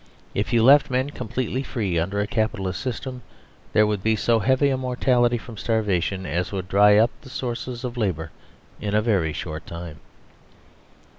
If you left men completely free under a Capitalist system, there would be so heavy a mortality from star vation as would dry up the sources of labour in a very short time.